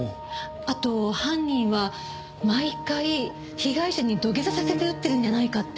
あと犯人は毎回被害者に土下座させて撃ってるんじゃないかって。